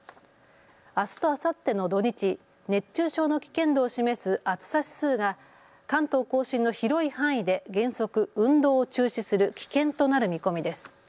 あすとあさっての土日、熱中症の危険度を示す暑さ指数が関東甲信の広い範囲で原則、運動を中止する危険となる見込みです。